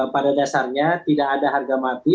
pada dasarnya tidak ada harga mati